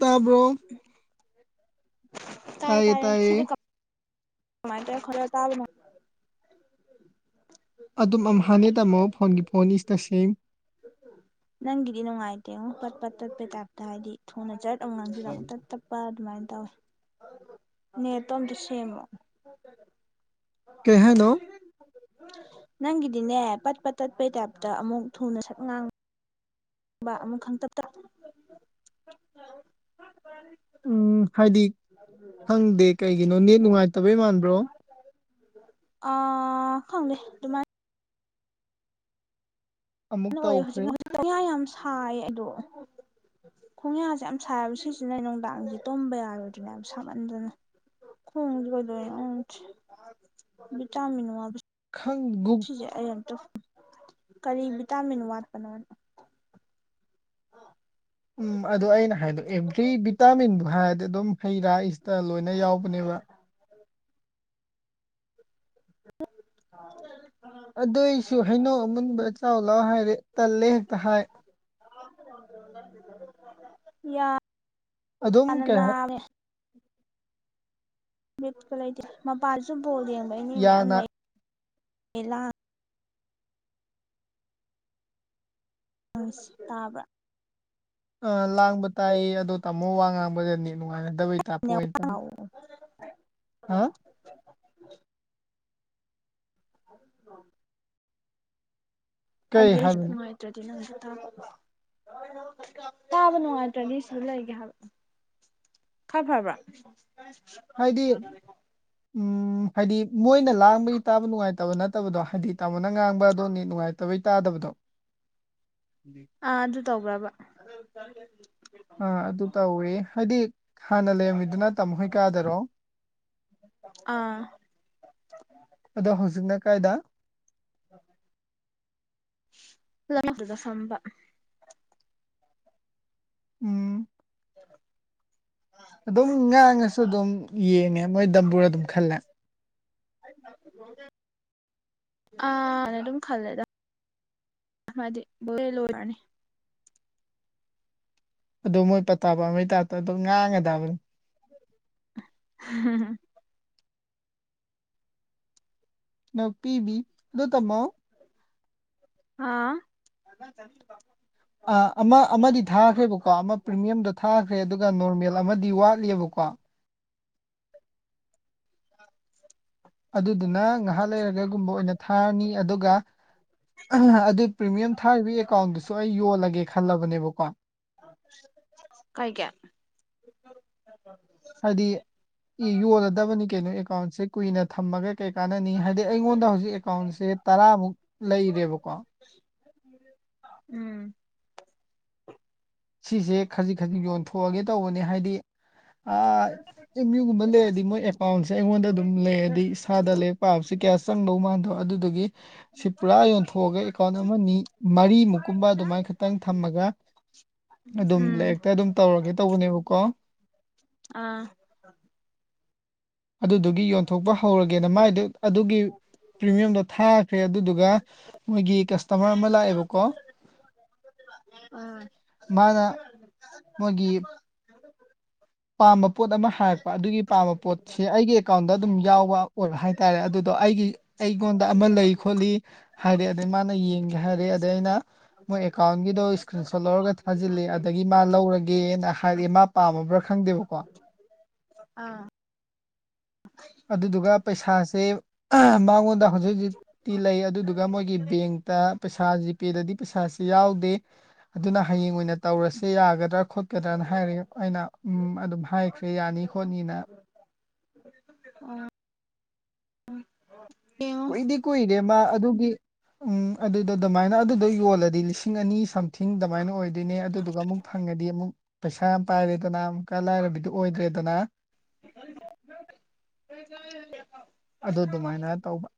ꯇꯥꯕꯣ ꯇꯥꯔꯦ ꯇꯥꯔꯦ ꯁꯤꯂ ꯀ ꯃꯥꯏ ꯇ ꯈꯔ ꯇꯥ ꯑꯗꯨꯝ ꯑꯃ ꯍꯥꯟꯅ ꯇꯥꯃꯣ ꯐꯣꯟꯒꯤ ꯐꯣꯟꯅꯤꯁꯤꯗ ꯁꯦꯝꯦꯡ ꯇꯠꯄ ꯇꯠꯄꯩ ꯇꯥꯏꯞꯇ ꯍꯥꯏꯗꯤ ꯊꯨꯅ ꯆꯠꯂ ꯉꯥꯡꯁꯤꯗ ꯑꯃꯨꯛꯇ ꯇꯞꯄ ꯑꯗꯨꯃꯥꯏꯅ ꯅꯇꯣꯝꯗ ꯁꯦꯝꯃꯣ ꯀꯍꯦꯅꯣ ꯅꯪꯒꯤꯗꯤꯅꯦ ꯄꯠꯄ ꯇꯠꯄꯩ ꯇꯥꯏꯞꯇ ꯑꯃꯨꯛ ꯊꯨꯅ ꯁꯛ ꯉꯥꯡ ꯕꯥ ꯑꯃꯨꯛ ꯈꯪ ꯇꯞ ꯇ ꯎꯝ ꯍꯥꯏꯗꯤ ꯈꯪꯗꯦ ꯀꯩꯒꯤꯅꯣ ꯅꯦꯠ ꯅꯨꯡꯉꯥꯏꯇꯕꯩ ꯃꯥꯟꯕ꯭ꯔꯣ ꯑ ꯈꯪꯅꯦꯦ ꯑꯗꯨꯃꯥꯏ ꯑꯃꯨꯛ ꯌꯥꯝ ꯑꯣꯏ ꯍꯧꯖꯤꯛ ꯇꯧꯈ꯭ꯔꯦ ꯍꯧꯖꯤꯛ ꯉ ꯌꯥꯝ ꯁꯥꯏ ꯑꯗꯣ ꯈꯣꯡꯌꯥꯁꯦ ꯌꯥꯝ ꯁꯥꯕ ꯁꯤꯁꯤꯅ ꯅꯨꯡꯗꯥꯡꯁꯦ ꯇꯨꯝꯕ ꯌꯥꯔꯣꯏꯗꯣꯏꯅꯦ ꯌꯥꯝ ꯁꯥꯃꯟꯗꯅ ꯈꯣꯡꯗ ꯕꯤ ꯆ ꯈꯪ ꯒꯨꯛ ꯁꯤꯁꯦ ꯑꯩ ꯑ ꯑꯃꯇ ꯀꯔꯤ ꯚꯤꯇꯥꯃꯤꯟ ꯋꯥꯠꯄꯅꯣꯅꯣ ꯎꯝ ꯑꯗꯨ ꯑꯩꯅ ꯍꯥꯏꯗꯣ ꯑꯦꯚ꯭ꯔꯤ ꯚꯤꯇꯥꯃꯤꯟꯗꯣ ꯍꯥꯏꯔꯗꯤ ꯑꯗꯨꯝ ꯍꯩ ꯔꯥ ꯏꯁꯇ ꯂꯣꯏꯅ ꯌꯥꯎꯕꯅꯦꯕ [inaudible] [inaudible] ꯑꯗꯨꯏꯁꯨ ꯍꯩꯅꯧ ꯑꯃꯨꯟꯕ ꯆꯥꯎꯥꯎ ꯂꯥꯎ ꯍꯥꯏꯔꯦ ꯇꯜꯂꯦ ꯍꯦꯛꯇ ꯍꯥꯏ ꯌꯥ ꯑꯗꯨꯝ ꯀꯩ ꯑꯅꯅꯥ ꯍꯥꯏ ꯠꯀ ꯂꯩꯇꯦ ꯃꯄꯥꯥꯟꯁꯨ ꯕꯣꯜ ꯌꯦꯡꯕꯒꯤ ꯃꯤ ꯃꯌꯥꯝ ꯌꯥꯅ ꯂꯩ ꯂꯥꯡ ꯑ ꯇꯥꯕ꯭ꯔꯥ ꯑꯥ ꯂꯥꯡꯕ ꯇꯥꯏ ꯑꯗꯣ ꯇꯥꯃꯣ ꯋꯥ ꯉꯥꯡꯕꯗꯅꯤ ꯅꯨꯡꯉꯥꯏꯅꯗꯕꯩ ꯇꯥꯄꯣ ꯇ ꯍꯥꯥ [unintelligible] ꯀꯩ ꯍꯥꯏꯕꯅꯣ ꯑꯗꯦꯅꯨꯡꯥꯏ ꯅꯪ ꯇꯥꯕ ꯅꯨꯡꯉꯥꯏꯇ꯭ꯔꯗꯤ ꯁꯤꯗ ꯂꯩꯒꯦ ꯍꯥꯏꯕ ꯈꯔ ꯐꯕ꯭ꯔꯥ ꯍꯥꯏꯗꯤ ꯎ ꯍꯥꯏꯗꯤ ꯃꯣꯏꯅ ꯂꯥꯡꯕꯒꯤ ꯇꯥꯕ ꯅꯨꯡꯉꯥꯏꯇꯕ ꯅꯠꯇꯦ ꯐꯠꯇꯕꯗꯣ ꯍꯥꯏꯗꯤ ꯇꯥꯃꯣꯅ ꯉꯥꯡꯕ ꯑ ꯑꯗꯨꯣꯅꯤ ꯅꯨꯡꯉꯥꯏꯇꯕꯩ ꯇꯥꯗꯕꯗꯣ ꯑꯥ ꯑꯗꯨ ꯇꯧꯕ꯭ꯔꯕ ꯑ ꯑꯗꯨ ꯇꯧꯋꯦ ꯍꯥꯏꯗꯤ ꯍꯥꯟꯅ ꯂꯩꯔꯃꯤꯗꯨꯅ ꯇꯝꯃꯍꯣꯏ ꯀꯥꯗꯔꯣ ꯑꯥ ꯑꯗꯣ ꯍꯧꯖꯤꯛꯅ ꯀꯥꯏꯗ ꯑꯗꯨꯅ ꯑꯗꯨꯗ ꯆꯝꯕ ꯎꯝ ꯑꯗꯨꯝ ꯉꯥꯡꯉꯁꯨ ꯑꯗꯨꯝ ꯌꯦꯡꯉꯦ ꯃꯣꯏ ꯗꯝꯕꯨꯔ ꯑꯗꯨꯝ ꯈꯜꯂꯦ ꯑꯅ ꯑꯗꯨꯝ ꯈꯜꯂꯦꯗ ꯃꯥꯗꯤ ꯕꯨꯂꯦ ꯂꫭꯔꯅꯤ ꯑꯗꯨ ꯃꯣꯏ ꯄꯇꯥ ꯄꯥꯟꯕꯩ ꯇꯥꯏꯞꯇ ꯑꯗꯨꯝ ꯉꯥꯡꯉꯗꯕꯅꯤ [inaudible] ꯅꫭꯛꯄꯤꯕꯤ ꯑꯗꯨ ꯇꯃꯣ ꯑꯥ ꯑꯥ ꯑꯃ ꯑꯃꯗꯤ ꯊꯥꯈ꯭ꯔꯦꯕꯀꯣ ꯑꯃ ꯄ꯭ꯔꯤꯃꯤꯌꯝꯗꯣ ꯊꯥꯈ꯭ꯔꯦ ꯑꯗꯨꯒ ꯅꯣꯔꯃꯦꯜ ꯑꯃꯗꯤ ꯋꯥꯠꯂꯤꯕ ꯀꫭ ꯑꯗꯨꯗꯨꯅ ꯉꯥꯏꯍꯥꯛ ꯂꯩꯔꯒꯒꯨꯝꯕ ꯑꯣꯏꯅ ꯊꯥꯔꯅꯤ ꯑꯗꯨꯒ ꯑꯗꯨ ꯄ꯭ꯔꯤꯃꯤꯌꯝ ꯊꯥꯔꯤꯕꯒꯤ ꯑꯦꯀꯥꯎꯟꯗꯨꯁꯨ ꯑꯩ ꯌꯣꯜꯂꯒꯦ ꯈꯜꯂꯕꯅꯦꯕꯀꯣ ꯀꯩꯒꯤ ꯍꯥꯏꯗꯤ ꯌꯣꯜꯂꯗꯕꯅꯤ ꯀꯩꯅꯣ ꯑꯦꯀꯥꯎꯟꯁꯦ ꯀꯨꯏꯅ ꯊꯝꯃꯒ ꯀꯩ ꯀꯥꯟꯅꯅꯤ ꯍꯥꯏꯗꯤ ꯑꯩꯉꯣꯟꯗ ꯍꯧꯖꯤꯛ ꯑꯦꯀꯥꯎꯟꯁꯦ ꯇꯔꯥꯃꯨꯛ ꯂꯩꯔꯦꯕꯀꯣ ꯎꯝ ꯁꯤꯁꯦ ꯈꯖꯤꯛ ꯈꯖꯤꯛ ꯌꯣꯟꯊꯣꯛꯑꯒꯦ ꯇꯧꯕꯅꯦ ꯍꯥꯏꯗꯤ ꯑꯥ ꯑꯦꯝ ꯌꯨꯒꯨꯝꯕ ꯂꯩꯔꯗꯤ ꯃꯣꯏ ꯑꯦꯀꯥꯎꯟꯁꯦ ꯑꯩꯉꯣꯟꯗ ꯑꯗꯨꯝ ꯂꯩꯔꯗꯤ ꯏꯁꯥꯗ ꯂꯩ ꯄꯥ ꯄꯥꯕꯁꯦ ꯀꯌꯥ ꯆꯪꯗꯧ ꯃꯥꯟꯗꯕ ꯑꯗꯨꯗꯨꯒꯤ ꯁꯤ ꯄꯨꯔꯥ ꯌꯣꯟꯊꯣꯛꯑꯒ ꯑꯦꯀꯥꯎꯟ ꯑꯃ ꯅꯤ ꯃꯔꯤ ꯃꯨꯛ ꯕ ꯑꯗꯨꯃꯥꯏꯅ ꯈꯤꯇꯪ ꯊꯝꯃꯒ [inaudible] ꯑꯗꯨꯝ ꯎꯝ ꯂꯥꯏꯔꯤꯛꯇ ꯑꯗꯨꯝ ꯇꯧꯔꯒꯦ ꯇꯧꯕꯅꯦꯕꯀꯣ ꯑꯥ ꯑꯗꯨꯗꯨꯒꯤ ꯌꯣꯟꯊꯣꯛꯄ ꯍꯧꯔꯒꯦꯅ ꯃꯥꯏꯗꯨ ꯑꯗꯨꯒꯤ ꯄ꯭ꯔꯤꯃꯤꯌꯝꯗꯣ ꯊꯥꯈ꯭ꯔꯦ ꯑꯗꯨꯗꯨꯒ ꯃꯣꯏꯒꯤ ꯀꯁꯇꯃꯔ ꯑꯃ ꯂꯥꯛꯑꯦꯕꯀꯣ ꯑꯥ ꯃꯥꯅ ꯃꫭꯏꯒꯤ ꯄꯥꯝꯕ ꯄꯣꯠ ꯑꯃ ꯍꯥꯏꯔꯛꯄ ꯑꯗꯨꯒꯤ ꯄꯥꯝꯕ ꯄꯣꯠꯁꯤ ꯑꯩꯒꯤ ꯑꯦꯀꯥꯎꯟꯗ ꯑꯗꯨꯝ ꯌꯥꯎꯕ ꯑꯣꯏꯕ ꯍꯥꯏꯇꯥꯔꯦ ꯑꯗꯨꯗꯣ ꯑꯩꯒꯤ ꯑꯩꯉꯣꯟꯗ ꯑꯃ ꯂꯩ ꯈꯣꯠꯂꯤ ꯍꯥꯏꯔꯦ ꯑꯗꯩ ꯃꯥꯅ ꯌꯦꯡꯒꯦ ꯍꯥꯏꯔꯦ ꯑꯗꯩ ꯑꯩꯅ ꯃꯣꯏ ꯑꯦꯀꯥꯎꯟꯒꯤꯗꯣ ꯏꯁꯀ꯭ꯔꯤꯟ ꯁꯣꯠ ꯂꯧꯔꯒ ꯊꯥꯖꯤꯜꯂꯤ ꯑꯗꯒꯤ ꯃꯥ ꯂꯧꯔꯒꯦꯅ ꯍꯥꯏꯔꯛꯑꯦ ꯃꯥ ꯄꯥꯝꯃꯕ꯭ꯔꯥ ꯈꯪꯗꯦꯕꯀꯣ ꯑꯥ ꯑꯗꯨꯗꯨꯒ ꯄꯩꯁꯥꯁꯦ ꯃꯉꯣꯟꯗ ꯍꯧꯖꯤꯛ ꯍꯧꯖꯤꯛꯇꯤ ꯂꯩ ꯑꯗꯨꯗꯨꯒ ꯃꯣꯏꯒꯤ ꯕꯦꯡꯇ ꯄꯩꯁꯥ ꯖꯤꯄꯦꯗꯗꯤ ꯄꯩꯁꯥ ꯁꯤ ꯌꯥꯎꯗꯦ ꯑꯗꯨꯅ ꯍꯌꯦꯡ ꯑꯣꯏꯅ ꯇꯧꯔꯁꯦ ꯌꯥꯒꯗ꯭ꯔꯥ ꯈꯣꯠꯀꯗ꯭ꯔꯥꯅ ꯍꯥꯏꯔ ꯑꯩꯅ ꯎꯝ ꯑꯗꯨꯝ ꯍꯥꯏꯈ꯭ꯔꯦ ꯌꯥꯅꯤ ꯈꯣꯠꯅꯤꯅ ꯑꯣ [inaudible] ꯀꯨꯏꯗꯤ ꯀꯨꯏꯔꯦ ꯃꯥ ꯑꯗꯨꯒꯤ ꯎꯝ ꯑꯗꯨꯗ ꯑꯗꯨꯃꯥꯏꯅ ꯑꯗꯨꯗ ꯌꯣꯜꯂꯗꯤ ꯂꯤꯁꯤꯡ ꯑꯅꯤ ꯁꯝꯊꯤꯡ ꯑꯗꯨꯃꯥꯏꯅ ꯑꯣꯏ ꯗꯨꯏꯅꯦ ꯑꯗꯨꯗꯨꯒ ꯑꯃꯨꯛ ꯐꯪꯉꯗꯤ ꯑꯃꯨꯛ ꯄꯩꯁꯥ ꯑꯝ ꯄꯥꯏꯔꯦꯗꯅ ꯑꯃꯨꯛꯀ ꯂꯥꯏꯔꯕꯤꯗꯨ ꯑꯣꯏꯗ꯭ꯔꯦꯗꯅ [inaudible] ꯑꯗꯨ ꯑꯗꯨꯃꯥꯏꯅ ꯇꯧꯕ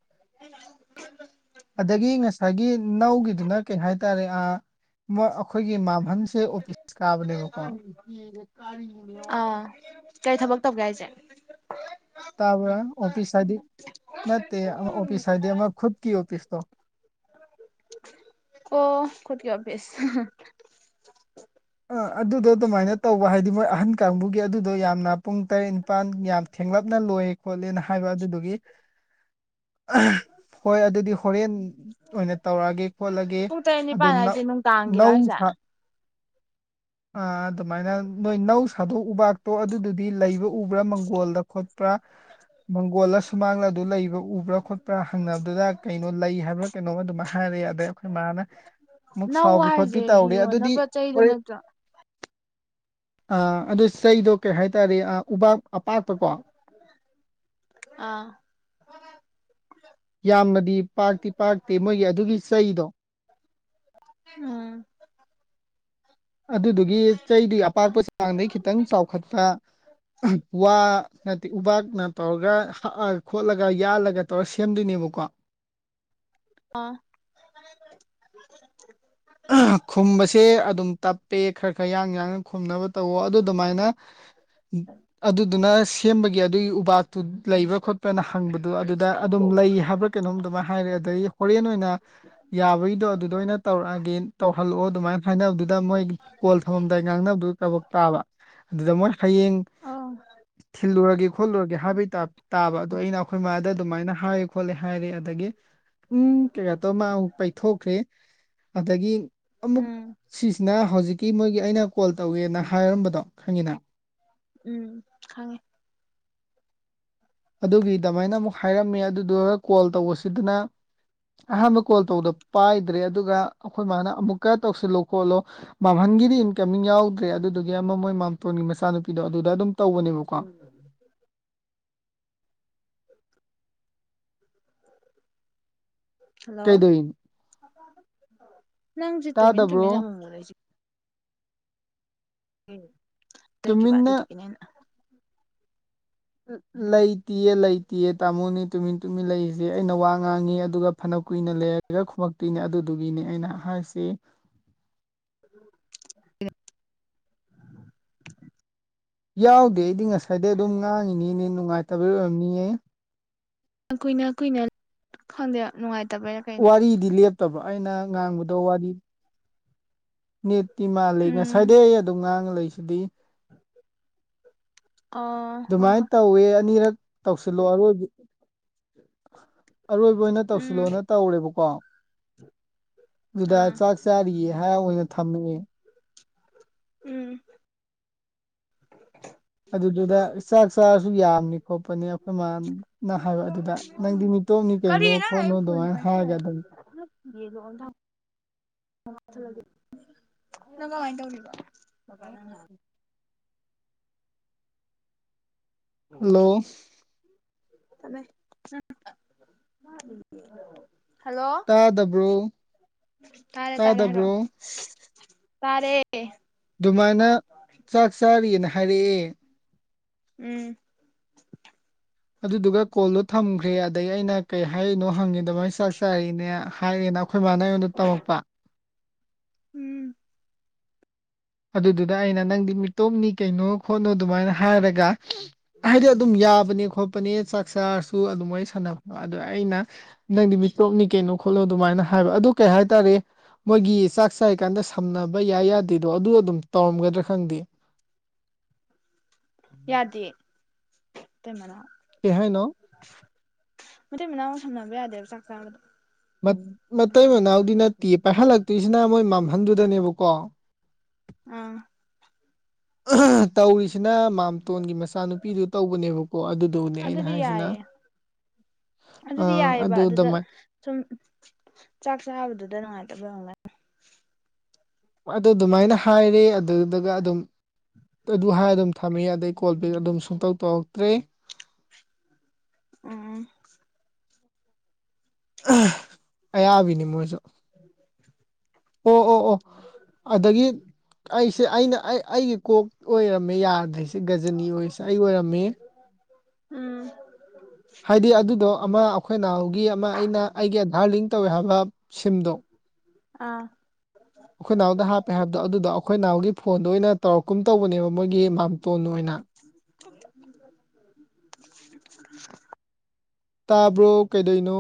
ꯑꯗꯒꯤ ꯉꯁꯥꯏꯒꯤ ꯅꯧꯒꯤꯗꯨꯅ ꯀꯩ ꯍꯥꯏꯇꯥꯔꯦ ꯑꯥ ꯑꯩꯈꯣꯏꯒꯤ ꯃꯥ ꯍꯟꯁꯦ ꯑꫭꯐꯤꯁ ꯀꯥꯕꯅꯦꯕꯀꫭ ꯑꯥ ꯀꯩ ꯊꯕꯛ [inaudible] ꯇꯥꯕ꯭ꯔ ꯑꯣꯐꯤꯁ ꯍꯥꯏꯗꯤ ꯅꯠꯇꯦ ꯑꯥ ꯑꯣꯐꯤꯁ ꯍꯥꯏꯗꯤ ꯑꯃ ꯈꯨꯠꯀꯤ ꯑꯣꯐꯤꯁ ꯇꫭ ꯑꯣ ꯈꯨꯠꯇꯀꯤ ꯑꯣꯐꯤꯁ ꯑꯥ ꯑꯗꯨꯗꯣ ꯑꯗꯨꯃꯥꯏꯅ ꯇꯧꯕ ꯍꯥꯏꯗꯤ ꯃꯣꯏ ꯑꯍꯟ ꯀꯥꯡꯕꯨꯒꯤ ꯑꯗꯨꯗꯣ ꯌꯥꯝꯅ ꯄꯨꯡ ꯇꯔꯦꯠ ꯅꯤꯄꯥꯟ ꯌꯥꯝ ꯊꯦ ꯊꯦꯡꯂꯞꯅ ꯂꯣꯏ ꯈꯣꯠꯂꯦꯅ ꯍꯥꯏꯕ ꯑꯗꯨꯗꯨꯒꯤ [inaudible] ꯑꯍ ꯍꯣꯏ ꯑꯗꯨꯗꯤ ꯍꯣꯔꯦꯟ ꯑꯣꯏꯅ ꯇꯧꯔꯛꯑꯒꯦ ꯈꯣꯠꯂꯒꯦ ꯄꯨꯡ ꯇꯔꯦꯠ ꯑꯗꯨ ꯅꯤꯄꯥꯜ ꯍꯥꯏꯁꯦ ꯅꯨꯡꯗꯥꯡꯒꯤꯔꯣ ꯅꯧ ꯍꯥꯏꯁꯦ [inaudible] ꯑ ꯑꯗꯨꯃꯥꯏꯅ ꯅꯣꯏ ꯅꯧ ꯁꯥꯗꯣꯛꯎꯕ ꯇꯣ ꯑꯗꯨꯗꯨꯗꯤ ꯂꯩꯕ ꯎꯕ꯭ꯔꯥ ꯃꯪꯒꯣꯜꯗ ꯈꯣꯠꯄ꯭ꯔꯥ ꯃꯪꯒꯣꯜꯂ ꯁꯨꯃꯥꯡꯂ ꯑꯗꯨ ꯂꯩꯕ꯭ꯔꯥ ꯎꯕ꯭ꯔꯥ ꯈꯣꯠꯄ꯭ꯔꯥ ꯍꯪꯅꯕꯗꯨꯗ ꯀꯩꯅꯣ ꯂꯩ ꯍꯥꯏꯕ꯭ꯔꯥ ꯀꯩꯅꯣꯝ ꯑꯗꯨꯃꯥꯏ ꯍꯥꯏꯔ ꯑꯗꯩ ꯑꯩꯈꯣꯏ ꯃꯥꯅ ꯑꯃꯨꯛ ꯁꯥꯎꯕꯤ ꯈꯣꯠꯄꯤ ꯇꯧꯔꯤ ꯑꯗꯨꯗꯤ ꯗ ꯍꯣꯔꯦꯟ ꯅꯠꯇ ꯑ ꯑꯗꯨ ꯆꯩꯗꯣ ꯀꯩ ꯍꯥꯏꯇꯥꯔꯦ ꯎꯄꯥꯛꯥꯛ ꯑꯥ ꯌꯥꯝꯅꯗꯤ ꯄꯥꯛꯇꯤ ꯄꯥꯛꯇꯦ ꯃꯣꯏꯒꯤ ꯑꯗꯨꯒꯤ ꯆꯩꯗꯣ ꯑꯝ ꯑꯗꯨꯗꯨꯒꯤ ꯆꯩꯗꯨ ꯑꯄꯥꯛꯄ ꯆꯥꯡꯗꯒꯤꯩ ꯈꯤꯇꯪ ꯆꯥꯎꯈꯠꯄ ꯋꯥ ꯅꯠꯇꯦ ꯎꯄꯥꯛꯥꯛꯅ ꯇꯧꯔꯒ ꯍꯛꯑꯒ ꯈꯣꯠꯂꯒ ꯌꯥꯜꯂꯒ ꯇꯧꯔ ꯁꯦꯝꯗꯣꯏꯅꯦꯕ ꯨꯀ ꯑꯥ ꯈꯨꯝꯕꯁꯦ ꯑꯗꯨꯝ ꯇꯞꯄꯦ ꯈꯔ ꯈꯔ ꯌꯥꯡ ꯌꯥꯡꯅ ꯈꯨꯝꯅꯕ ꯇꯧꯋ ꯑꯗꯨ ꯑꯗꯨꯃꯥꯏꯅ ꯑꯗꯨꯗꯨꯅ ꯁꯦꯝꯕꯒꯤ ꯑꯗꯨꯒꯤ ꯎꯄꯥꯛꯇꯨ ꯂꯩꯕ꯭ꯔꯥ ꯈꯣꯠꯄ꯭ꯔꯅ ꯍꯪꯕꯗꯨꯣ ꯑꯗꯨꯗ ꯑꯗꯨꯝ ꯂꯩ ꯍꯥꯏꯕ꯭ꯔꯥ ꯀꯩꯅꯣꯝ ꯑꯗꯨꯃꯥꯏꯅ ꯍꯥꯏꯔꯛꯑꯦ ꯑꯗꯩ ꯍꯣꯔꯦꯟ ꯑꯣꯏꯅ ꯌꯥꯕꯒꯤꯗꯣ ꯑꯗꯨꯗ ꯑꯣꯏꯅ ꯇꯧꯔꯛꯑꯒꯦ ꯇꯧꯍꯜꯂꯛꯑꯣ ꯑꯗꯨꯃꯥꯏꯅ ꯍꯥꯏꯅꯕ ꯑꯗꯨ ꯗ ꯃꯣꯏ ꯀꯣꯜ ꯊꯝꯃꯝꯗꯥꯏ ꯉꯥꯡꯅꯕꯗꯨ ꯊꯕꯛ ꯇꯥꯕ ꯑꯗꯨꯗ ꯃꯣꯏ ꯍꯌꯦꯡ ꯑꯧ ꯊꯜ ꯂꯔꯒ ꯈꯣꯠꯂꯨꯔꯒꯦ ꯍꯥꯏꯕꯩ ꯇꯥꯕ ꯑꯗꯣ ꯑꯩꯅ ꯑꯩꯈꯣꯏꯃꯥꯗ ꯑꯗꯨꯃꯥꯏꯅ ꯍꯥꯏ ꯈꯣꯠꯂꯦ ꯍꯥꯏꯔꯦ ꯑꯗꯒꯤ ꯎꯝ ꯀꯩꯀꯥ ꯇꯧ ꯃꯥ ꯑꯃꯨꯛ ꯄꯩꯊꯣꯛꯈ꯭ꯔꯦ ꯑꯗꯒꯤ ꯑꯃꯨꯛ ꯎꯝ ꯁꯤꯁꯤꯅ ꯅ ꯍꯧꯖꯤꯛꯀꯤ ꯃꯣꯏꯒꯤ ꯑꯩꯅ ꯀꯣꯜ ꯇꯧꯋꯦꯅ ꯍꯥꯏꯔꯝꯕꯗꯣ ꯈꯪꯉꯤꯅ ꯎꯝ ꯈꯉꯦ ꯑꯗꯨꯒꯤ ꯑꯗꯨꯃꯥꯏꯅ ꯑꯃꯨꯛ ꯍꯥꯏꯔꯝꯃꯦ ꯑꯗꯨꯗꯨ ꯀꯣꯜ ꯇꯧꯕꯁꯤꯗꯅ ꯑꯍꯥꯟꯕ ꯀꯣꯜ ꯇꯧꯗ ꯄꯥꯏꯗ꯭ꯔꯦ ꯑꯗꯨꯒ ꯑꯩꯈꯣꯏ ꯃꯥꯅ ꯑꯃꯨꯛꯀ ꯇꯧꯁꯤꯜꯂꯣ ꯈꯣꯠꯂꯣ ꯅꯒꯤꯗꯤ ꯏꯟꯀꯝꯃꯤꯡ ꯌꯥꯎꯗ꯭ꯔꯦ ꯑꯗꯨꯗꯨꯒꯤ ꯑꯃ ꯃꯣꯏ ꯃꯥꯝꯇꯣꯟꯒꯤ ꯃꯆꯥꯅꯨꯄꯤꯗꯣ ꯑꯗꯨꯗ ꯑꯗꯨꯝ ꯇꯧꯕꯅꯦꯕꯀꯣ [inaudible] ꯍꯜꯂꯣ ꯀꯩꯗꯧꯏꯅꯣ ꯂꯪꯁꯤ ꯇꯨꯃꯤ ꯇꯃꯤ ꯇꯥꯗꯕ꯭ꯔꯣ ꯅꯃꯨꯡꯁꯤ ꯇ ꯀꯚ ꯇꯨꯃꯤꯟꯅ ꯑꯗꯨꯗ ꯀꯅꯦꯅ ꯂꯩꯇꯤꯌꯦ ꯂꯩꯇꯦꯌꯦ ꯇꯥꯃꯣꯅꯦ ꯇꯨꯃꯤꯟ ꯇꯨꯃꯤꯟ ꯂꯩꯔꯤꯁꯦ ꯑꯩꯅ ꯋꯥ ꯉꯥꯡꯉꯤ ꯑꯗꯨꯒ ꯐꯅ ꯀꯨꯏꯅ ꯂꯩꯔꯒ ꯈꯨꯝꯃꯛꯇꯣꯏꯅꯦ ꯑꯗꯨꯗꯨꯒꯤꯅꯦ ꯑꯩꯅ ꯍꯥꯏꯁꯤ ꯍ [unintelligible] ꯌꯥꯎꯗꯦ ꯑꯩꯗꯤ ꯉꯁꯥꯏꯗꯩ ꯑꯗꯨꯝ ꯉꯥꯡꯉꯤꯅꯤꯅꯦ ꯅꯨꯡꯉꯥꯏꯇꯕꯩ ꯑꯣꯏꯔꯝꯅꯤꯌꯦ ꯀꯨꯏꯅ ꯀꯨꯏꯅ ꯈꯪꯗꯦ ꯅꯨꯡꯉꯥꯏꯇꯦ ꯋꯥꯔꯤꯗꯤ ꯂꯦꯞꯇꯕ ꯑꯩꯅ ꯉꯥꯡꯕꯗꯣ ꯋꯥꯔꯤ ꯅꯦꯠꯇꯤ ꯃꯥꯜꯂꯤ ꯎꯝ ꯉꯁꯥꯏꯗꯩ ꯑꯗꯨꯝ ꯉꯥꯡꯉ ꯂꯩꯁꯤꯗꯤ ꯑꯣ ꯍꯣꯏ ꯑꯗꯨꯃꯥꯏꯅ ꯍꯣꯏ ꯇꯧꯋꯦ ꯑꯅꯤꯔꯛ ꯇꯧꯁꯤꯜꯂꯣ ꯑꯔꯣꯏꯕꯨ ꯑꯔꯣꯏꯕ ꯑꯣꯏꯅ ꯎꯝ ꯇꯧꯁꯤꯜꯂꯣꯅ ꯇꯧꯔꯦꯕꯀꯣ ꯑꯗꯨꯨꯗꯥ ꯑꯥ ꯆꯥꯛ ꯆꯥꯔꯤꯌꯦ ꯍꯥꯏ ꯍ ꯑꯣꯏꯁꯨ ꯊꯝꯃꯤꯦ ꯎꯝ ꯑꯗꯨꯗꯨꯗ ꯆꯥꯛ ꯆꯥꯔꯁꯨ ꯌꯥꯝꯅꯤ ꯈꯣꯠꯄꯅꯦ ꯑꯩꯈꯣꯏ ꯃꯥꯃꯅ ꯍꯥꯏꯕ ꯑꯗꯨꯗ ꯅꯪꯗꯤ ꯃꯤꯇꯣꯝꯅꯤ ꯀꯩꯅꯣ ꯈꯣꯠꯅꯣ ꯑꯗꯨꯃꯥꯏꯅ ꯍꯥꯏꯔꯒ ꯑꯗꯨꯒꯤ ꯌꯦꯒ ꯑꯣꯗ ꯅꯪ ꯀꯃꯥꯏꯅ ꯇꯧꯔꯤꯅꯣꯕꯥꯪ ꯍꯜꯂꯣ ꯇꯃꯦ ꯇꯥꯗꯕ꯭ꯔꯣ ꯇꯥꯗꯕ꯭ꯔꯣ ꯇꯔꯦ ꯑꯗꯨꯃꯥꯏꯅ ꯆꯥꯛ ꯆꯥꯔꯤꯑꯅ ꯍꯥꯏꯔꯛꯑꯦ ꯎꯝ ꯑꯗꯨꯗꯨꯒ ꯀꯣꯜꯗꯣ ꯊꯝꯈ꯭ꯔꯦ ꯑꯗꯩ ꯑꯩꯅ ꯀꯩ ꯍꯥꯏꯔꯤꯅꯣ ꯍꯪꯉꯤꯗ ꯃꯒꯤ ꯆꯥꯛ ꯆꯥꯔꯤꯅꯦ ꯍꯥꯏꯔꯤ ꯅ ꯑꯩꯈꯣꯏ ꯏ ꯃꯥꯅ ꯑꯩꯉꯣꯟꯗ ꯇꯝꯃꯛꯄ ꯎꯝ ꯑꯗꯨꯗꯨꯗ ꯑꯩꯅ ꯅꯪꯗꯤ ꯃꯤꯇꯣꯝꯅꯤ ꯀꯩꯅꯣ ꯈꯣꯠꯅꯣ ꯑꯗꯨꯃꯥꯏꯅ ꯍꯥꯏꯔꯒ ꯍꯥꯏꯗꯤ ꯑꯗꯨꯝ ꯌꯥ ꯆꯥꯕꯅꯤ ꯈꯣꯠꯄꯅꯤ ꯆꯥꯛ ꯆꯥꯔꯁꯨ ꯑꯗꯨꯃꯥꯏꯅ ꯁꯥꯟꯅꯕꯗꯣ ꯑꯗꯣ ꯑꯩꯅ ꯅꯪꯗꯤ ꯃꯤꯇꯣꯛꯞꯅꯤ ꯀꯩꯅꯣ ꯈꯣꯠꯂꯣ ꯑꯗꯨꯃꯥꯏꯅ ꯍꯥꯏꯕ ꯑꯗꯨ ꯀꯩ ꯍꯥꯏꯇꯥꯔꯦ ꯃꯣꯏꯒꯤ ꯆꯥꯛ ꯆꯥꯏ ꯀꯥꯟꯗ ꯁꯝꯅꯕ ꯌꯥꯏ ꯌꯥꯗꯦꯗ ꯑꯗꯣ ꯑꯗꯨ ꯑꯗꯨꯝ ꯇꯧꯔꯝꯒꯗ꯭ꯔꯥ ꯈꯪꯗꯦ ꯌꯥꯗ ꯇꯃꯅ ꯀꯩ ꯍꯥꯏꯅꯑꯣ ꯃꯩ ꯃꯅꯥꯎꯃꯨꯛ ꯁꯝꯅꯕ ꯌꯥꯗꯦꯕ ꯆꯥꯛ ꯆꯥꯕꯗꯣ ꯃꯠ ꯇꯇꯤꯁꯤꯅ ꯃꯣꯏ ꯃꯝꯍꯟꯗꯨꯗꯅꯦꯕꯀꯣ ꯑꯝ ꯇꯧꯔꯤꯁꯤꯅꯃꯥꯝ ꯃꯇꯇꯣꯟꯒꯤ ꯃꯆꯥꯅꯨꯄꯤꯗꯨ ꯇꯧꯕꯅꯦꯕꯀꯣ ꯑꯗꯨꯗꯧꯅꯦ ꯑꯩꯅ ꯑꯗꯨꯗꯤ ꯍꯥꯏꯁꯤꯅ ꯌꯥꯏꯌꯦ ꯑ ꯑꯗꯨꯗꯤ ꯌꯥꯏꯑꯕ ꯑꯗꯨ ꯑꯗꯨꯗ ꯑꯗꯨꯃꯥꯏ ꯁꯨꯝ ꯆꯥꯛ ꯆꯥꯕꯗꯨꯗ ꯑꯗꯨꯗꯅꯨꯡꯉꯥꯏꯇꯕꯦ ꯑꯗꯨ ꯑꯗꯨꯃꯥꯏꯅ ꯍꯥꯏꯔꯦ ꯑꯗꯨꯗꯨꯒ ꯑꯗꯨꯝ ꯑꯗꯨ ꯍꯥꯏꯔ ꯑꯗꯨꯝ ꯊꯝꯃꯦ ꯑꯗꯩ ꯀꯣꯜꯕꯦꯛ ꯑꯗꯨꯝ ꯁꯨꯡꯇꯧ ꯇꯧꯔꯛꯇ꯭ꯔꯦ ꯎꯝ ꯑꯌꯥꯕꯤꯅꯤ ꯃꯣꯏꯁꯨ [unintelligible] [inaudible] ꯑꯣ ꯑꯣ ꯑꯣ ꯑꯗꯒꯤ ꯑꯩꯁꯦ ꯑꯩꯅ ꯑꯩ ꯑꯩꯒꯤ ꯀꯣꯛ ꯑꯣꯏꯔꯝꯃꯦ ꯌꯥꯗ꯭ꯔꯁꯦ ꯒꯖꯅꯤ ꯑꯣꯏꯁꯦ ꯑꯩ ꯑꯣꯏꯔꯝꯃꯦ ꯎꯝ ꯍꯥꯏꯗꯤ ꯑꯗꯨꯗꯣ ꯑꯃ ꯑꯩꯈꯣꯏꯅ ꯒꯤ ꯑꯃ ꯑꯩꯅ ꯑꯩꯒꯤ ꯑꯙꯥꯔ ꯂꯤꯡ ꯇꯧꯋꯦ ꯍꯥꯏꯕ ꯁꯤꯝꯗꯣ ꯑꯥ ꯑꯩꯈꯣꯏ ꯅꯍꯎꯗ ꯍꯥꯞꯄꯦ ꯍꯥꯏꯕꯗꯣ ꯑꯗꯨꯗꯣ ꯑꯩꯈꯣꯏ ꯅꯍꯎꯒꯤ ꯐꯣꯟꯗꯣ ꯑꯣꯏꯅ ꯇꯧꯔꯛꯀꯨꯝ ꯇꯧꯕꯅꯦꯕ ꯃꯣꯏꯒꯤ ꯃꯥꯝꯇꯣꯟ ꯑꯣꯏꯅ [unintelligible] ꯇꯥꯕ꯭ꯔꯣ ꯀꯩꯗꯩꯅꯣ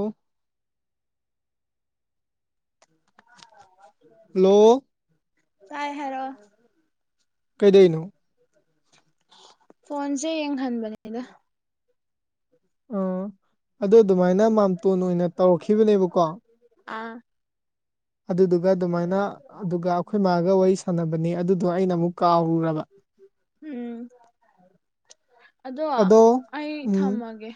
ꯍꯜꯂꯣ ꯇꯥꯏ ꯍꯥꯏꯔꯣ ꯀꯩꯗꯅꯣ ꯐꯣꯟꯁꯦ ꯌꯦꯡꯍꯟꯕꯅꯤꯗ ꯑꯥ ꯑꯗꯨꯗ ꯑꯗꯨꯃꯥꯏꯅ ꯃꯥꯝꯇꯣꯟ ꯑꯣꯏꯅ ꯇꯧꯔꯛꯈꯤꯕꯅꯦꯕꯀꯣ ꯑꯥ ꯑꯗꯨꯗꯨꯒ ꯑꯗꯨꯃꯥꯏꯅ ꯑꯗꯨꯒ ꯑꯩꯈꯣꯏ ꯃꯥꯒ ꯋꯥꯔꯤ ꯁꯥꯟꯅꯕꯅꯤ ꯑꯗꯨꯗꯣ ꯑꯩꯅ ꯑꯃꯨꯛ ꯀꯥꯎꯔꯨꯔꯕ ꯎꯝ ꯑꯗꯣ ꯑꯩ ꯎꯝ ꯊꯝꯃꯒꯦ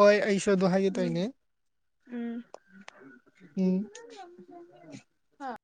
ꯍꯣꯏ ꯑꯩꯁꯨ ꯑ ꯑꯗꯨ ꯍꯥꯏꯒꯦ ꯎꯝ ꯇꯥꯏꯅꯦ ꯎꯝ ꯎꯝ ꯍꯥꯥ